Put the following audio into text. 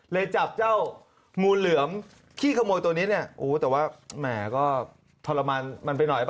จับเจ้างูเหลือมขี้ขโมยตัวนี้เนี่ยโอ้แต่ว่าแหมก็ทรมานมันไปหน่อยป่